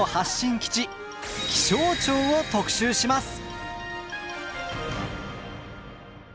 気象庁を特集します！